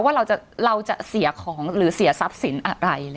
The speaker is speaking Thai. ว่าเราจะเราจะเสียของหรือเสียทรัพย์สินอะไรอะไรอย่างเงี้ย